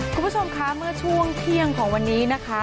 คุณผู้ชมคะเมื่อช่วงเที่ยงของวันนี้นะคะ